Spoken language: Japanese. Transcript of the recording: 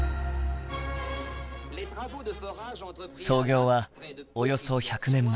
創業はおよそ１００年前。